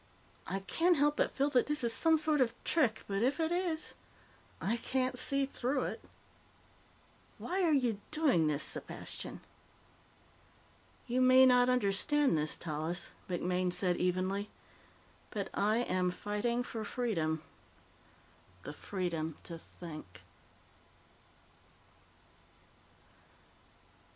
"I can't help but feel that this is some sort of trick, but if it is, I can't see through it. Why are you doing this, Sepastian?" "You may not understand this, Tallis," MacMaine said evenly, "but I am fighting for freedom. The freedom to think."